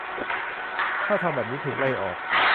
ถ้าทำแบบนี้ ถูกไล่ออก